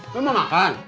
lo mau makan